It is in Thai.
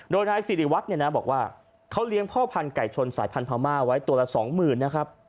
โดยนายสิริวัตรเนี่ยนะบอกว่าเขาเลี้ยงพ่อพันธุไก่ชนสายพันธม่าไว้ตัวละสองหมื่นนะครับ